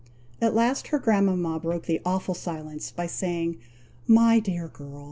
At last her grandmama broke the awful silence, by saying, "My dear girl!